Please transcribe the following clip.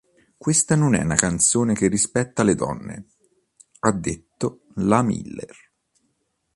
Questa non è una canzone che rispetta le donne", ha detto la Miller.